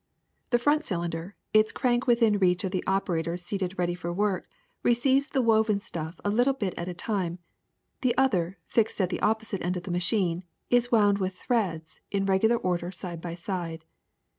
The front cylinder, its crank within reach of the operator seated ready for work, receives the woven stuff a little bit at a time ; the other, fixed at the opposite end of the machine, is wound with threads in regular order side by side.